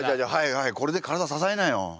はいはいこれで体支えなよ。